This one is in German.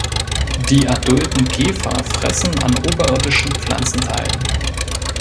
Die adulten Käfer fressen an oberirdischen Pflanzenteilen.